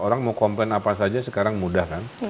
orang mau komplain apa saja sekarang mudah kan